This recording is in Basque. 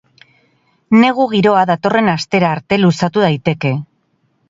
Negu giroa datorren astera arte luzatu daiteke.